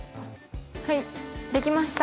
はいできました。